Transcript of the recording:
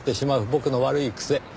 僕の悪い癖。